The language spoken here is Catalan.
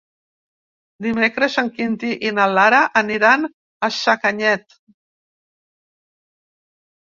Dimecres en Quintí i na Lara aniran a Sacanyet.